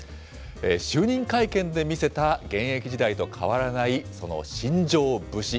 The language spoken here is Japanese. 就任会見で見せた、現役時代と変わらないその新庄節。